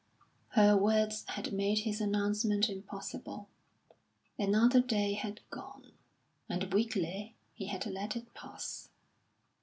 Her words had made his announcement impossible; another day had gone, and weakly he had let it pass.